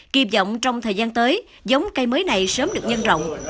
kịp dọng trong thời gian tới giống cây mới này sớm được nhân rộng